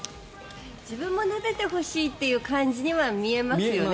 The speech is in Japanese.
自分もなでてほしいという感じには見えますよね。